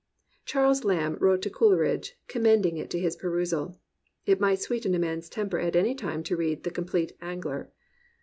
Charles Lamb wrote to Coleridge commending it to his perusal: "It might sweeten a man's temper at any time to read The Compleat Angler.'